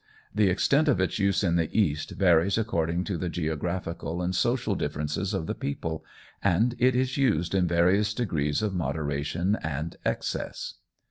The extent of its use in the East varies according to the geographical and social differences of the people, and it is used in various degrees of moderation and excess.